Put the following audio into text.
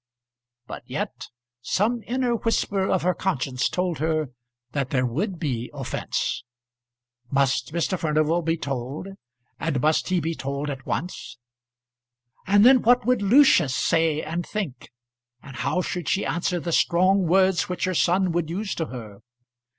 But yet some inner whisper of her conscience told her that there would be offence. Must Mr. Furnival be told; and must he be told at once? And then what would Lucius say and think, and how should she answer the strong words which her son would use to her?